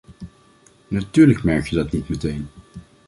Natuurlijk merk je dat niet meteen.